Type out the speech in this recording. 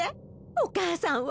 お母さんは。